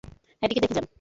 হ্যাটিকে দেখে যান!